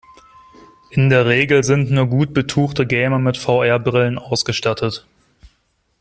In der Regel sind nur gut betuchte Gamer mit VR-Brillen ausgestattet.